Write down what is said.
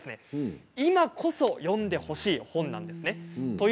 今こそ読んでほしい本なんですね。